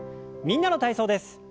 「みんなの体操」です。